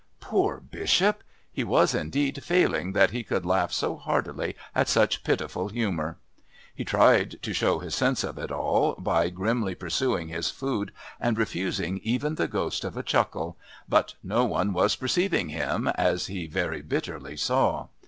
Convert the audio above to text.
Poor Bishop! He was indeed failing that he could laugh so heartily at such pitiful humour. He tried, to show his sense of it all by grimly pursuing his food and refusing even the ghost of a chuckle, but no one was perceiving him, as he very bitterly saw.